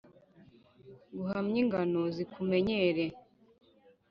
nguhamye inganzo zikumenyere,